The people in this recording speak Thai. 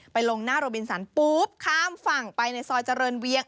ลงหน้าโรบินสันปุ๊บข้ามฝั่งไปในซอยเจริญเวียง